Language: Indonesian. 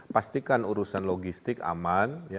pastikan urusan logistik aman